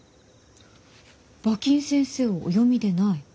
馬琴先生をお読みでない？